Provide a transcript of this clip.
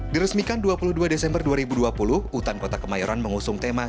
diresmikan dua puluh dua desember dua ribu dua puluh hutan kota kemayoran mengusung tema